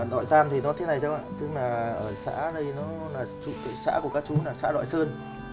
đoại tam thì nó thế này cháu ạ tức là ở xã này xã của các chú là xã đoại sơn